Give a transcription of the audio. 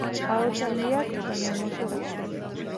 Ahots handiak, baina emozio gutxi.